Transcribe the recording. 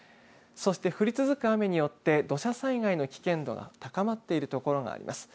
そして、降り続く雨によって土砂災害の危険度が高まっているところがあります。